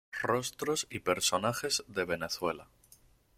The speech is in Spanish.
Rostros y personajes de Venezuela.